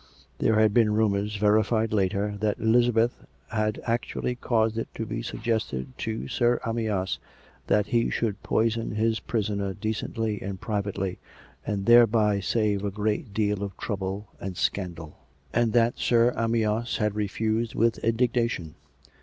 There had been rumours (verified later) that Eliza beth had actually caused it to be suggested to Sir Amyas that he should poison his prisoner decently and privately, and thereby save a great deal of trouble and scandal; and that Sir Amyas had refused with indignation.